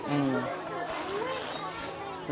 อืม